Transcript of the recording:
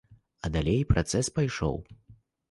А далей працэс пайшоў.